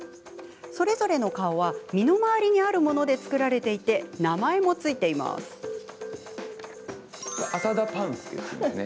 それぞれの顔は身の回りにあるもので作られていて名前も付いているんです。